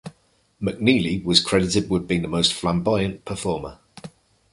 McNeely was credited with being the most flamboyant performer.